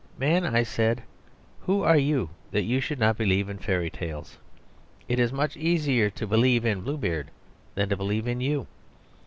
"Man," I said, "who are you that you should not believe in fairy tales? It is much easier to believe in Blue Beard than to believe in you.